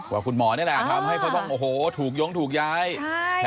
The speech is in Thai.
ว่าคุณหมอนี่แหละทำให้เขาต้องโอ้โหถูกย้งถูกย้าย